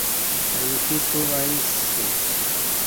امکی تو وعݩیسی